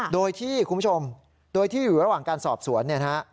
โดยที่คุณผู้ชมโดยที่อยู่ระหว่างการสอบสวนเนี่ยนะฮะ